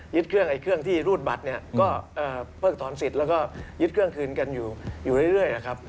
ยึดเครื่องที่รูดบัตรก็เผิกถอนสิทธิ์แล้วก็ยึดเครื่องคืนกันอยู่เรื่อย